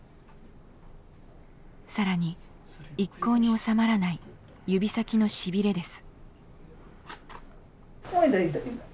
更に一向に治まらない指先のしびれです。